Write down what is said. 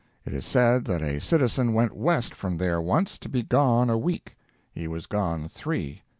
It is said that a citizen went west from there once, to be gone a week. He was gone three.